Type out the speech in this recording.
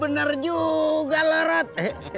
bener juga lerut